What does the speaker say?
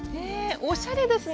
おしゃれですね！